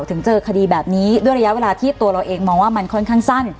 ถึงเจอคดีแบบนี้ด้วยระยะเวลาที่ตัวเราเองมองว่ามันค่อนข้างสั้น